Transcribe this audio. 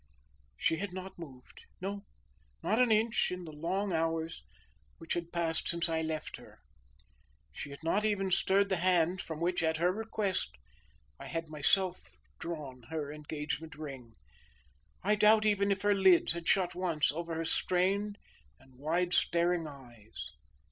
She had not moved, no, not an inch in the long hours which had passed since I left her. She had not even stirred the hand from which, at her request, I had myself drawn her engagement ring. I doubt even if her lids had shut once over her strained and wide staring eyes.